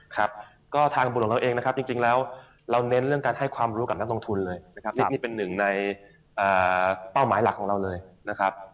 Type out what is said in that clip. ครับก็ทางบุญของเราเองนะครับจริงแล้วเราเน้นเรื่องการให้ความรู้กับนักลงทุนเลยนะครับนี่เป็นหนึ่งในเป้าหมายหลักของเราเลยนะครับ